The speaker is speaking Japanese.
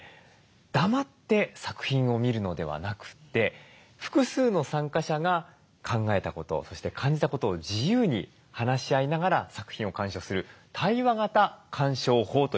黙って作品を見るのではなくて複数の参加者が考えたことそして感じたことを自由に話し合いながら作品を鑑賞する対話型鑑賞法という方法について取材しました。